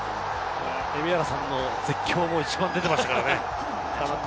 蛯原さんの絶叫も一番出ていましたからね。